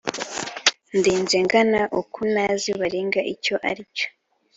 Ndinze ngana uku ntazi baringa icyo aricyo